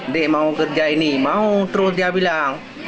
dek mau kerja ini mau terus dia bilang